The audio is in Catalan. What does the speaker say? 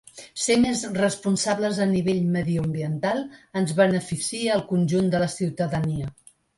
Ser més responsables a nivell mediambiental ens beneficia al conjunt de la ciutadania.